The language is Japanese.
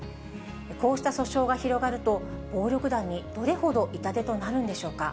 こうした訴訟が広がると、暴力団にどれほど痛手となるんでしょうか。